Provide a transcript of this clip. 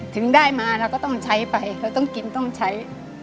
ถึงได้มาเราก็ต้องใช้ไปเราต้องกินต้องใช้